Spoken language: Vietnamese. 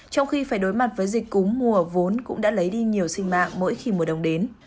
trong khi phải đối mặt với dịch cúm mùa vốn cũng đã lấy đi nhiều sinh mạng mỗi khi mùa đông đến